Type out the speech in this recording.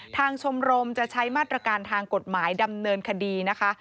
ชมรมจะใช้มาตรการทางกฎหมายดำเนินคดีนะคะ